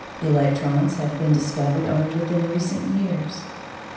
Electrons have been discovered only within recent years.